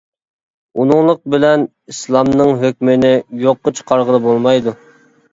ئۇنىڭلىق بىلەن ئىسلامنىڭ ھۆكمىنى يوققا چىقارغىلى بولمايدۇ.